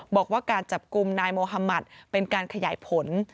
บอกว่าการจับกลุ่มนายโมฮามัติเป็นการขยายผล